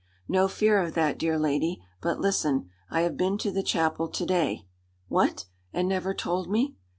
"No fear of that, dear lady. But listen: I have been to the chapel to day." "What! And never told me?"